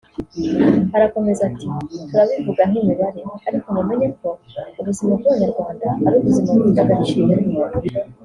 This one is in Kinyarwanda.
Arakomeza ati”turabivuga nk’imibare ariko mumenye ko ubuzima bw’Abanyarwanda ari ubuzima bufite agaciro”